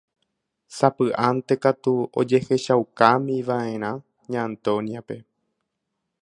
Sapy'ánte katu ojehechaukámiva'erã Ña Antonia-pe.